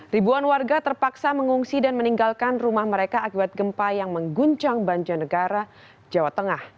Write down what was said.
ribuan warga terpaksa mengungsi dan meninggalkan rumah mereka akibat gempa yang mengguncang banjarnegara jawa tengah